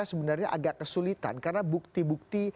sebenarnya agak kesulitan karena bukti bukti